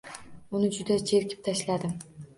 Uni juda jerkib tashladim.